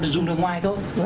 được dùng đường ngoài thôi